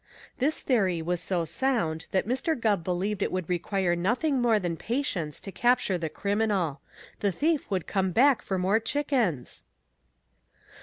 This theory was so sound that Mr. Gubb believed it would require nothing more than patience to capture the criminal. The thief would come back for more chickens!